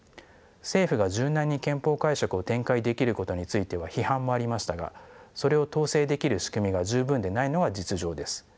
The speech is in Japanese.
政府が柔軟に憲法解釈を展開できることについては批判もありましたがそれを統制できる仕組みが十分でないのが実情です。